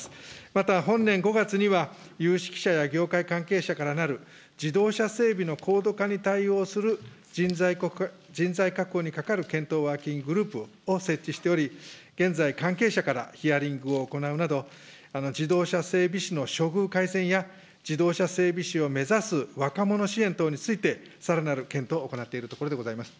また本年５月には、有識者や業界関係者からなる自動車整備の高度化に対応する人材確保にかかる検討ワーキンググループを設置しており、現在、関係者からヒアリングを行うなど、自動車整備士の処遇改善や自動車整備士を目指す若者支援等について、さらなる検討を行っているところでございます。